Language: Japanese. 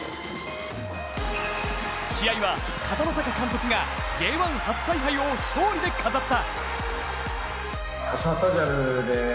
試合は、片野坂監督がＪ１初采配を勝利で飾った。